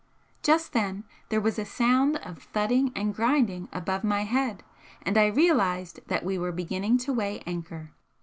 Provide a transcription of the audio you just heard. Just then there was a sound of thudding and grinding above my head, and I realised that we were beginning to weigh anchor.